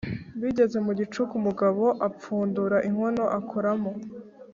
Bigeze mu gicuku umugabo apfundura inkono akoramo